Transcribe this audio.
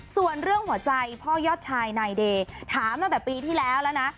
ส่วนเรื่องหัวใจพ่อยอดชายนายเดย์ถามตั้งแต่ปีที่แล้วแล้วนะ